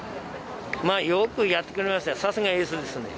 まあよくやってくれましたよ、さすがエースですね。